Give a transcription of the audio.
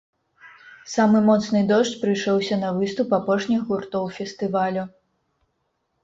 Самы моцны дождж прыйшоўся на выступ апошніх гуртоў фестывалю.